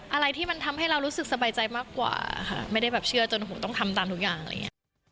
อะไรที่มันทำให้เรารู้สึกสบายใจมากกว่าค่ะไม่ได้แบบเชื่อจนหูต้องทำตามทุกอย่างอะไรอย่างนี้